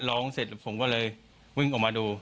ร้องเสร็จผมก็เลยวิ่งออกมาดู